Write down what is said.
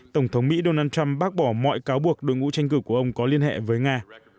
tổng thống mỹ donald trump bác bỏ mọi cáo buộc đội ngũ tranh cử của ông có liên hệ với nga